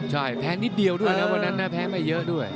ใช่แพ้นิดเดียวด้วยนะวันนั้นนะแพ้ไม่เยอะด้วย